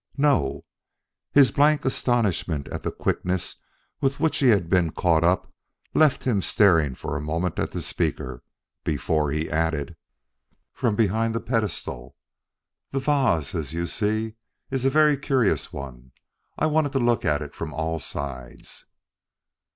"No." His blank astonishment at the quickness with which he had been caught up left him staring for a moment at the speaker, before he added: "From behind the pedestal. The the vase, as you see, is a very curious one. I wanted to look at it from all sides."